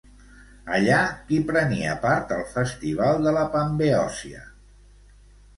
Allà, qui prenia part al festival de la Pambeòcia?